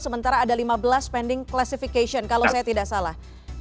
sementara ada lima belas pending classification kalau saya tidak salah